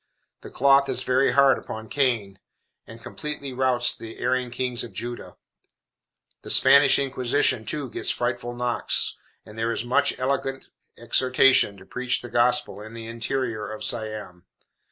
The cloth is very hard upon Cain, and completely routs the erring kings of Judah. The Spanish Inquisition, too, gets frightful knocks, and there is much eloquent exhortation to preach the gospel in the interior of Siam.